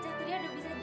tapi kita harus pergi